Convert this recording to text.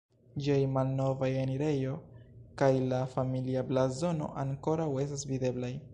Ĝiaj malnova enirejo kaj la familia blazono ankoraŭ estas videblaj.